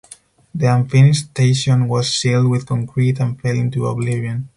The unfinished station was sealed with concrete and fell into oblivion.